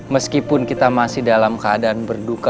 meskipun kita masih dalam keadaan berduka